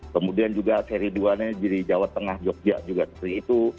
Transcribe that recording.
kemudian juga seri dua nya di jawa tengah jogja juga seperti itu